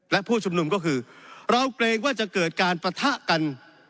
และผู้ชุมนุมก็คือเราเกรงว่าจะเกิดการปะทะกัน